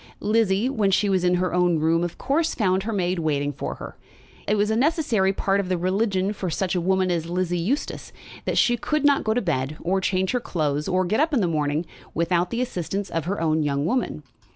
Lizzie, when she was in her own room, of course found her maid waiting for her. It was necessarily part of the religion of such a woman as Lizzie Eustace that she could not go to bed, or change her clothes, or get up in the morning, without the assistance of her own young woman.